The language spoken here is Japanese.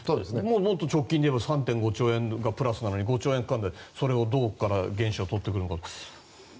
直近で言えば３．５兆円がプラスなのに５兆円って、それをどう原資をとってくるのか。